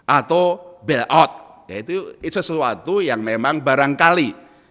atau bail out itu sesuatu yang memang barangkali